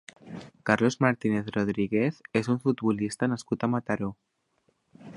Carlos Martínez Rodríguez és un futbolista nascut a Mataró.